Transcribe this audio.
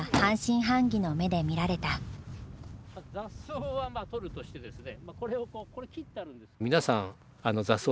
雑草は取るとしてですね。